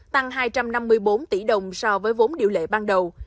tăng hai trăm năm mươi bốn tỷ đồng so với vốn điều lệ ban đầu